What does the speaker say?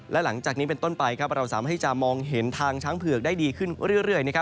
และหลังจากนี้เป็นต้นไปเราสามารถให้จะมองเห็นทางช้างเผือกได้ดีขึ้นเรื่อย